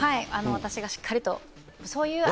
私がしっかりと？